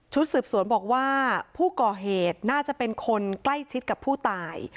สืบสวนบอกว่าผู้ก่อเหตุน่าจะเป็นคนใกล้ชิดกับผู้ตาย